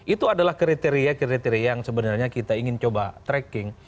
itu adalah kriteria kriteria yang sebenarnya kita ingin coba tracking